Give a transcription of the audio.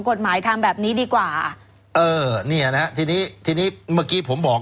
กฎหมายทำแบบนี้ดีกว่าเออเนี่ยนะฮะทีนี้ทีนี้เมื่อกี้ผมบอก